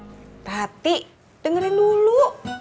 gak hati dengerin dulu